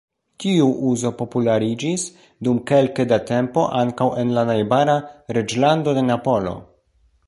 Tiu uzo populariĝis, dum kelke da tempo, ankaŭ en la najbara "Reĝlando de Napolo".